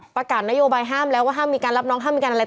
ประกาศนโยบายห้ามแล้วว่าห้ามมีการรับน้องห้ามมีการอะไร